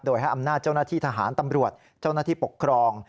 โดยให้อำนาจเจ้าหน้าที่ทหารตำรวจเจ้าหน้าที่ปกครอง